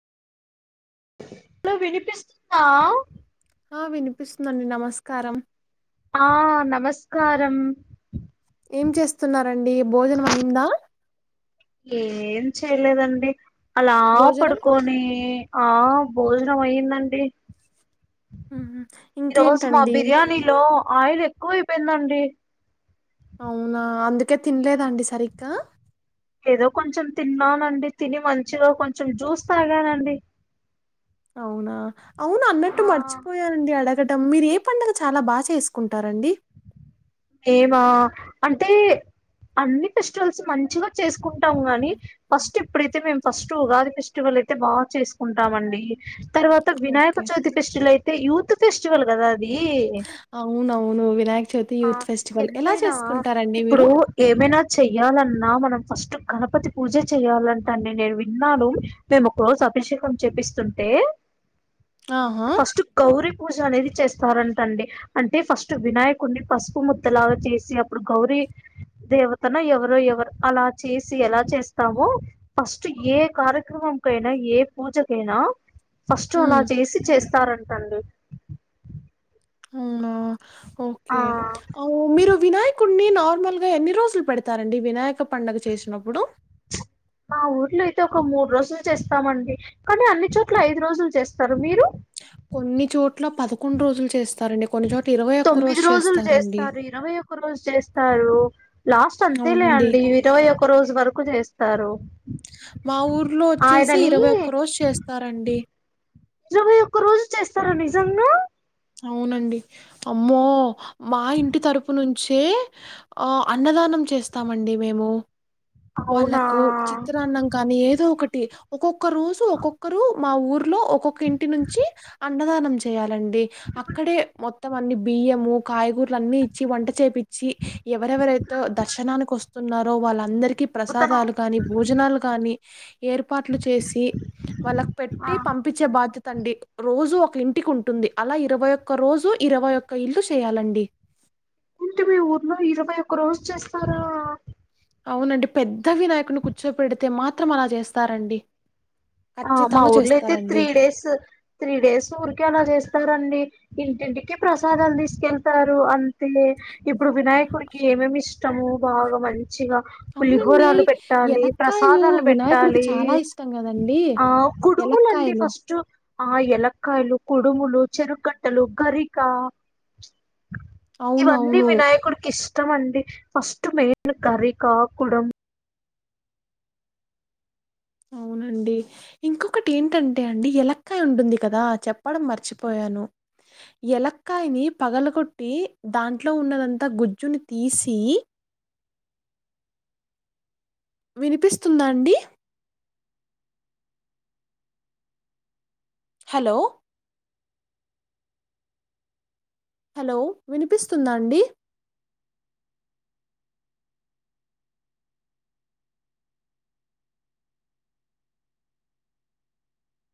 Hello వినిపిస్తుంద ఆ వినిపిస్తుందండి నమస్కారం ఆ నమస్కారం ఏం చేస్తున్నారండి భోజనం అయిందా ఏం చేయలేదండి అలా భోజనం పడుకోని ఆ భోజనం అయ్యిందండి ఉహు ఈ రోజు మా ఇంకేంటండి బిర్యానీలో ఆయిల్ ఏ కూలీ పోయిందండి అవునా అందుకే తిన్లేదాండి సరిగ్గా ఎదో కొంచెం తిన్నానండి తిని మంచిగా కొంచెం జ్యూస్ తాగానండి అవునా అవును అన్నట్టు ఆ మర్చిపోయానండి అడ ఇటం మీరు ఏ పండగ చాలా బా చేసుకుంటారండి మేమా అంటే అన్ని ఫెస్టివల్స్ మంచిగా చేసుకుంట టైం కాని ఫస్ట్ ఇప్పుడైతే మేం ఫస్ట్ ఉగాది ఫెస్టివల్ అయితే బా చేసుకుంటామండి తర్వాత వినాయక ఓకే చవితి ఫెస్టిల్ అయితే టె యూత్ ఫెస్టివల్ కద అవును అవును వినాయక చవితి ఆ ఫెస్టివల్ ఎలా ఎంతైనా చేసుకుంటారండి ఇప్పుడు మీరు ఏమైనా చెయ్యాలన్నా మనం ఫస్ట్ గణపతి పూజ చేయాలంటండి నేను విన్నాను మేము ఒక రోజు అభిషేకం చెపిస్తుంటే ఆహా ఫస్ట్ గౌరి పూజ అనేది చేస్తారంటండి అంటే ఫస్ట్ వినాయకుడ్ని ఫస్ట్ ముద్దలాగా చేసి అప్పుడు గౌరీ దేవతను ఎవరో ఎవర్ అలా చేసి ఎలా చేస్తావో ఫస్ట్ ఏ కార్యక్రమంకైనా ఏ పూజకైనా ఫస్ట్ అలా ఉమ్ చేసి చేస్ స్తారంటండి. అవునా ఓకే మీరు వినాయకున్నీ నార్మల్గా ఎన్ని రోజులు పెడతారండి వినాయక పండుగ చేసినప్పుడు మా ఊర్లో అయితే ఒక మూడు రోజులు చేస్తామండి. కానీ అన్ని చోట్ల ఐదు రోజులు చేస్తారు. మీరు? కొన్ని చోట్ల పదకొండు రోజులు చేస్తారండి కొన్ని చోట్ తొమ్మిది రోజులు చేస్తారు ఇరవై ఒక రోజులు చేస్తారు. లాస్ట్ అంతేలే అవునండి. అండి ఇరవై ఒక రోజు వరకు చేస్ తారు. మా ఊర్లో ఒచ్చేసి ఇరవై ఒక్క రోజు చేస్తారండి. జున్ను అవునండి అమ్మో! మా ఇంటి తరుపు నుం చ్చి ఆ అన్నదానం చేస్తామండి మేము. అవునా వాళ్ళకు చిత్రాన్నం కానీ ఏదో ఒకట్ టి ఒకో ఒక్క రోజూ ఒక్కొక్కరు మా ఊర్ లో ఒక్కొక్క ఇంటి నుంచి అన్నదానం చేయాలండి. కొంతమంది బియ్యము కాయగూరలన్నీ ఇచ్చి వంట చేపి చ్చి ఎవరెవరైతే దర్శనానికి వస్ వాళ్ళందర్ కి అద్భుతనం ప్రసాదాలు కానీ భోజనాలు కానీ [unintelligible] ఏర్పాట్లు చేసి వాళ్ళకు పెట్టి పంపించే బాధ్యత అండి రోజు ఒ ఇంటికుంటుంది. అలా ఇరవై ఒక్క రోజు ఇరవై ఒక్క ఇల్లు చేయాలండి. ఏంటి మీ ఊర్లో ఇరవై ఒక్క రోజు చేస్తారా! అవునండి పెద్ద వినాయకున్నీ కూర్చో పెడితే మాత్రం అలా చేస్తారండి. ఆ మా ఖచ్చితంగా ఊర్లో అయితే చేస్తారండి. త్రీ డేస్ త్రీ డేస్ ఊరికే అలా చేస్తారండి ఇంటింటికి ప్రసాదాలు తీసుకెళ్తారు అంతే ఇప్పుడు వినాయకుడికి ఏమేమి ఇష్టము బాగా మంచి మంచిగా అవునండి పులిహోరలు పెట్టాలి ఎలక్కాయలు ప్రసాదాలు వినాయకుడికి పెట్టాలి చాలా ఇష్టం కదండీ. ఆ కుడువునండి ఎలక్కాయలు ఫస్ట్ ఆ ఎలక్కాయలు కుడుములు చెరుగట్టలు గరికా అవును ఇవన్నీ అవును వినాయకుడికి ఇష్టం ఇష్టం అండి ఫస్ట్ మెయిన్ గరికా కుడం అవునండి ఇంకొకటి ఏంటంటే అండి ఎలక్కయ ఉంటుంది కదా చెప్పడం మర్చిపోయాను ఎలక్కాయని పగలగొట్టి దాంట్లో ఉన్నదంతా గుజ్జుని తీసి వినిపిస్తుందా అండి హలో హలో వినిపిస్తుందా అండి